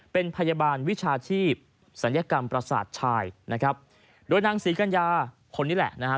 เป็นพยาบาลวิชาชีพศัลยกรรมประสาทชายนะครับโดยนางศรีกัญญาคนนี้แหละนะฮะ